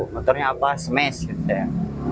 motornya apa smash gitu ya